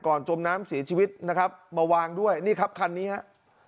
จมน้ำเสียชีวิตนะครับมาวางด้วยนี่ครับคันนี้ฮะ